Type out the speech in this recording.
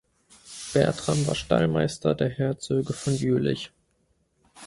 Bertram war Stallmeister der Herzöge von Jülich.